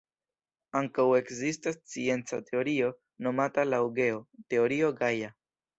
Ankaŭ ekzistas scienca teorio nomata laŭ Geo, Teorio Gaja.